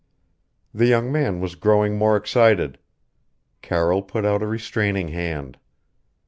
The young man was growing more excited. Carroll put out a restraining hand.